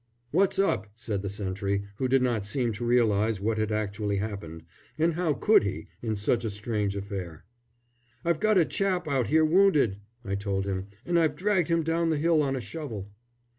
"What's up?" said the sentry, who did not seem to realise what had actually happened and how could he, in such a strange affair? "I've got a chap out here wounded," I told him, "and I've dragged him down the hill on a shovel."